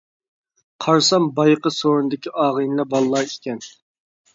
قارىسام بايىقى سورۇندىكى ئاغىنە بالىلار ئىكەن.